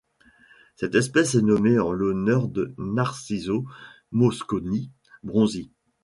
Cette espèce est nommée en l'honneur de Narciso Mosconi Bronzi.